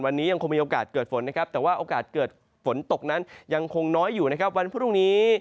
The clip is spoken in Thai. วันนี้ยังคงมีโอกาสเกิดฝนนะครับแต่ว่าโอกาสเกิดฝนตกนั้นยังคงน้อยอยู่นะครับวันพรุ่งนี้